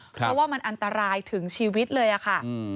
เพราะว่ามันอันตรายถึงชีวิตเลยค่ะ